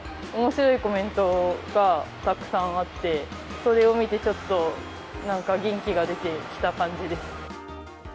おもしろいコメントがたくさんあって、それを見て、ちょっと元気が出てきた感じです。